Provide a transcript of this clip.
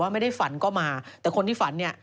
ปลาหมึกแท้เต่าทองอร่อยทั้งชนิดเส้นบดเต็มตัว